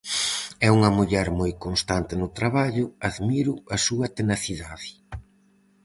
É unha muller moi constante no traballo, admiro a súa tenacidade.